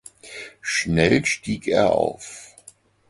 Schnell stieg er auf.